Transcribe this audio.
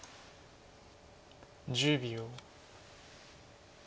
１０秒。